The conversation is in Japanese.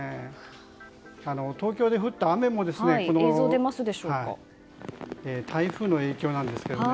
東京で降った雨も台風の影響なんですけどね。